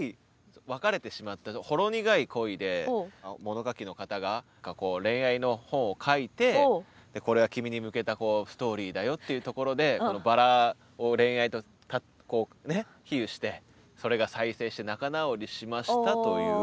これは一回物書きの方が恋愛の本を書いてこれは君に向けたストーリーだよっていうところでこの薔薇を恋愛とこうね比喩してそれが再生して仲直りしましたという。